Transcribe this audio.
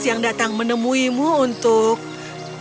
sekarang dengarkan ibu punya kejutan lain untukmu